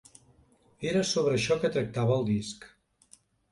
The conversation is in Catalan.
Era sobre això que tractava el disc.